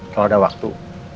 kalau ada waktu